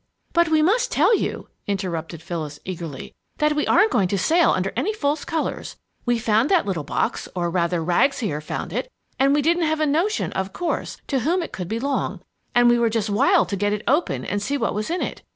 "But we must tell you," interrupted Phyllis, eagerly, "that we aren't going to sail under any false colors! We found that little box, or rather, Rags here found it and we didn't have a notion, of course, to whom it could belong and we were just wild to get it open and see what was in it.